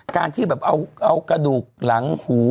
การที่แบบเอากระดูกหลังหู